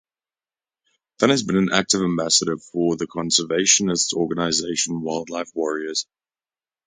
Dunn has been an active ambassador for the conservationist organisation, Wildlife Warriors.